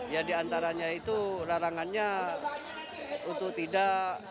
ya diantaranya itu larangannya untuk tidak